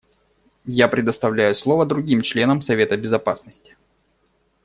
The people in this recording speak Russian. Я предоставляю слово другим членам Совета Безопасности.